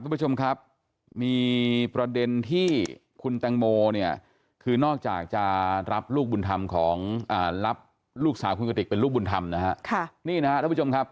คุณผู้ชมครับมีประเด็นที่คุณตังโมคือนอกจากจะรับลูกสาวคุณกติกเป็นลูกบุญธรรมนะครับ